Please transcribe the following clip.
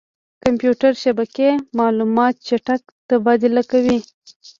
کمپیوټر شبکې معلومات چټک تبادله کوي.